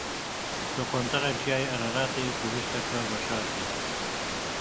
Li quntara Çiyayê Araratê bihuşteke veşartî.